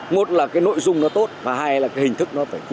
một là nội dung nó tốt và hai là hình thức nó phải phù hợp